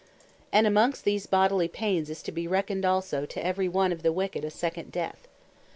And amongst these bodily paines, is to be reckoned also to every one of the wicked a second Death.